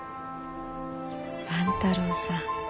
万太郎さん。